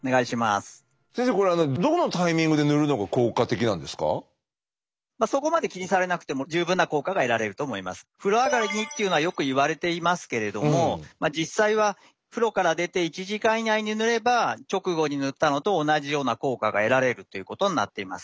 先生これ風呂上がりにっていうのはよくいわれていますけれどもまあ実際は風呂から出て１時間以内に塗れば直後に塗ったのと同じような効果が得られるということになっています。